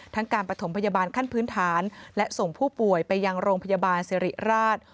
การประถมพยาบาลขั้นพื้นฐานและส่งผู้ป่วยไปยังโรงพยาบาลสิริราช